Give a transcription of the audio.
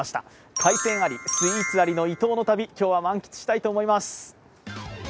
海鮮あり、スイーツありの伊東の旅、今日は満喫したいと思います。